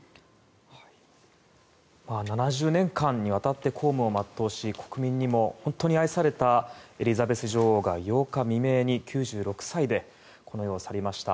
７０年間にわたって公務を全うし国民にも本当に愛されたエリザベス女王が８日未明に９６歳でこの世を去りました。